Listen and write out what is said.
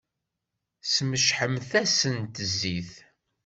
Smecḥemt-asent zzit!